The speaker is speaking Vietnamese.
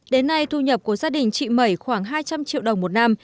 đến nay thu nhập của gia đình chị mẩy khoảng hai trăm linh triệu đồng một năm